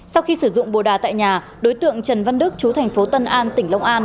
sau khi sử dụng bồ đà tại nhà đối tượng trần văn đức chú tp tân an tỉnh long an